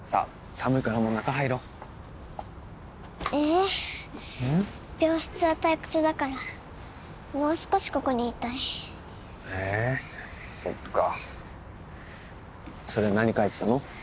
寒いからもう中入ろうえー病室は退屈だからもう少しここにいたいえーそうかそれ何書いてたの？